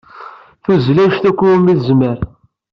Tuzzel anect akk umi tezmer.